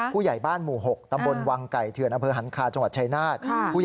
ผู้ใหญ่บ้านหมู่๖ตำบลวังไก่เถื่อนอำเภอหันคาจังหวัดชายนาฏ